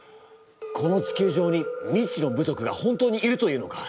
この地球上に未知の部族が本当にいるというのか？